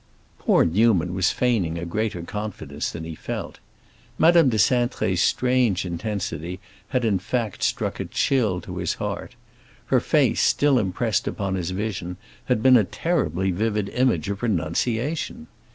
Poor Newman was feigning a greater confidence than he felt. Madame de Cintré's strange intensity had in fact struck a chill to his heart; her face, still impressed upon his vision, had been a terribly vivid image of renunciation.